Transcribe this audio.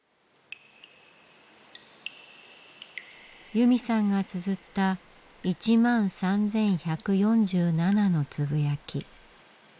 由美さんがつづった１万３，１４７のつぶやき。